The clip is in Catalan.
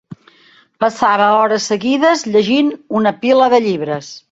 Passava hores seguides llegint una pila de llibres